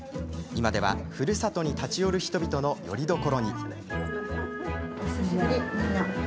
今ではふるさとに立ち寄る人々のよりどころに。